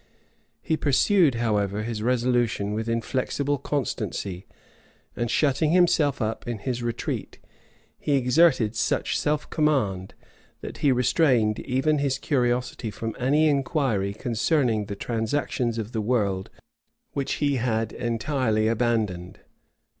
He pursued, however, his resolution with inflexible constancy; and shutting himself up in his retreat, he exerted such self command, that he restrained even his curiosity from any inquiry concerning the transactions of the world which he had entirely abandoned.